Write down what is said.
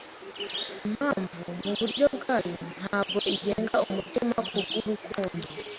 Impamvu, muburyo bwayo, ntabwo igenga umutima kubwo urukundo